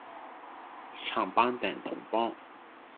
有冇巴打知邊到有得訂成套